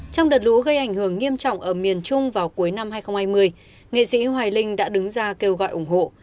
trong đợt lũ gây ảnh hưởng nghiêm trọng ở miền trung vào cuối năm hai nghìn hai mươi nghệ sĩ hoài linh đã đứng ra kêu gọi ủng hộ